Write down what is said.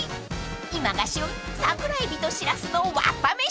［今が旬桜えびとしらすのわっぱ飯］